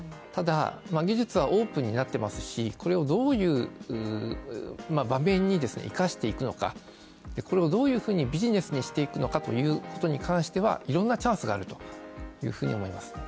ただ技術はオープンになってますし、これをどういう場面に生かしていくのかこれをどういうふうにビジネスにしていくのかということに関しては、いろんなチャンスがあるというふうに思います